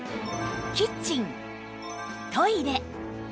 キッチントイレ